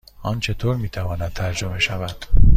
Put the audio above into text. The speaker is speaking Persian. آن چطور می تواند ترجمه شود؟